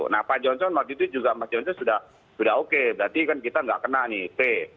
nah pak johnson waktu itu juga sudah oke berarti kan kita tidak kena nih oke